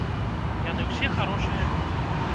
Яны ўсе харошыя людзі.